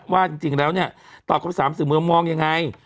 ว่าจริงแล้วเนี่ยตอบคำถามสื่อเมืองมองยังไง